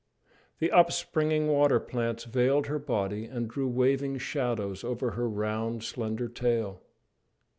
The upspringing water plants veiled her body and drew waving shadows over her round, slender tail.